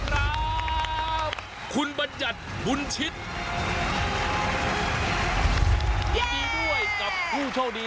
โอ้โฮใครจะเป็นผู้โชคดี